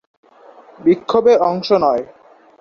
বিক্ষোভে অংশ নেয়।